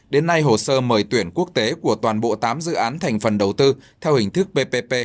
đến nay hồ sơ mời tuyển quốc tế của toàn bộ tám dự án thành phần đầu tư theo hình thức ppp